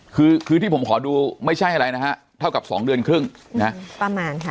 คือคือที่ผมขอดูไม่ใช่อะไรนะฮะเท่ากับสองเดือนครึ่งนะประมาณค่ะ